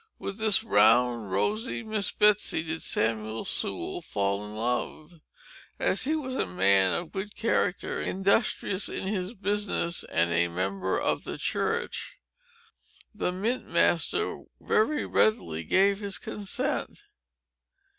With this round, rosy Miss Betsey, did Samuel Sewell fall in love. As he was a young man of good character, industrious in his business, and a member of the church, the mint master very readily gave his consent.